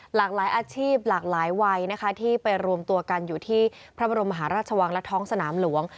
หลากหลายอาชีพหลากหลายวัยนะคะที่ไปรวมตัวกันอยู่ที่พระบรมมหาราชวังและท้องสนามหลวง